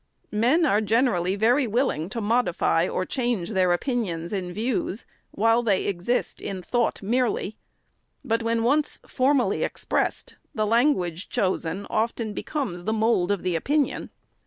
Men are generally very willing to modify or change their opinions and views, while they exist in thought merely, but when once formally expressed, the language chosen often becomes the mould of the opinion.